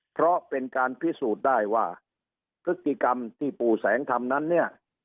เพราะเป็นการพิสูจน์ได้ว่าพฤติกรรมที่ปู่แสงทำนั้นเนี่ย